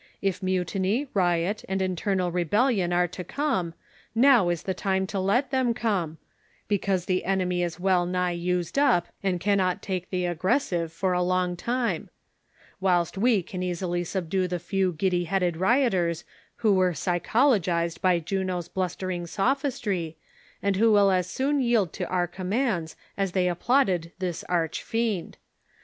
If mutiny, riot and internal rebel lion are to come, now is the time to let them come; because the enemy is well nigh used up, and cannot take the ag gressive for a long time ; whilst we can easily subdue the few giddy headed rioters who were psychologized by Juno's blustering sophistry, and who will as soon yield to our commands, as they applauded this arch fiend.